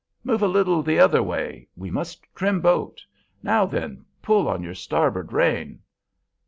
Move a little the other way, we must trim boat. Now then, pull on your starboard rein."